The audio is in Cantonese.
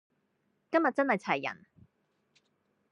今日真係齊人